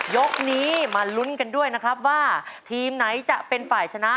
ยกนี้มาลุ้นกันด้วยนะครับว่าทีมไหนจะเป็นฝ่ายชนะ